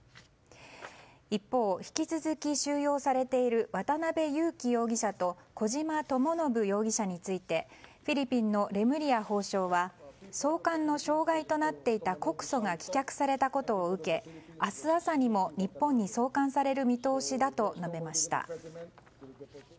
一方、引き続き収容されている渡辺優樹容疑者と小島智信容疑者についてフィリピンのレムリヤ法相は送還の障害となっていた告訴が棄却されたことを受け明日朝にも日本に送還される見通しだと述べました。